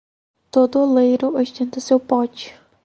Todo oleiro ostenta seu pote.